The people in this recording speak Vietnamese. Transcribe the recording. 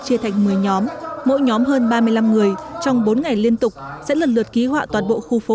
chia thành một mươi nhóm mỗi nhóm hơn ba mươi năm người trong bốn ngày liên tục sẽ lần lượt ký họa toàn bộ khu phố